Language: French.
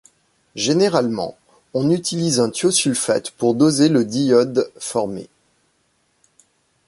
Généralement, on utilise un thiosulfate pour doser le diiode formé.